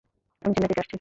আমি চেন্নাই থেকে আসছি।